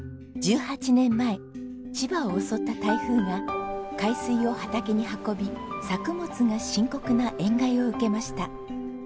１８年前千葉を襲った台風が海水を畑に運び作物が深刻な塩害を受けました。